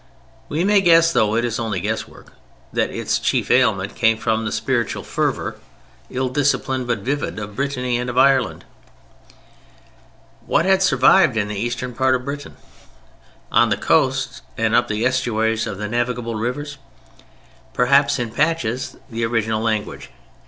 We may guess, though it is only guesswork, that its chief ailment came from the spiritual fervor, ill disciplined but vivid, of Brittany and of Ireland. What had survived in the eastern part of Britain? On the coasts, and up the estuaries of the navigable rivers? Perhaps in patches the original language.